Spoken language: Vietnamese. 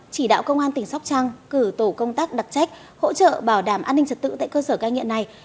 chỉ đạo công an tỉnh sóc trăng cử tổ công tác đặc trách hỗ trợ bảo đảm an ninh trật tự tại cơ sở cai nghiện này